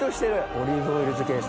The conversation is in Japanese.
オリーブオイル漬けです。